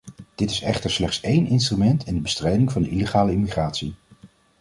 Dit is echter slechts één instrument in de bestrijding van de illegale immigratie.